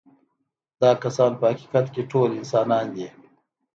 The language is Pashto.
دا کسان په حقیقت کې ټول انسانان دي.